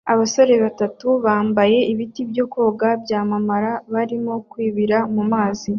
Abasore batatu bambaye ibiti byo koga byamabara barimo kwibira mumazi